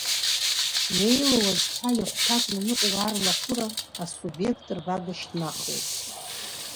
Иеилоу азҳәа иахәҭакны иҟоу арлахәыра асубиект рбага шьҭнахуеит…